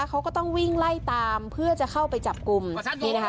เขาก็ต้องวิ่งไล่ตามเพื่อจะเข้าไปจับกลุ่มนี่นะคะ